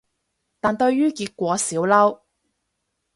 但對於結果少嬲